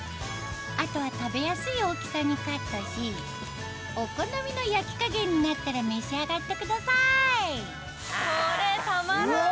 あとは食べやすい大きさにカットしお好みの焼き加減になったら召し上がってくださいこれたまらん！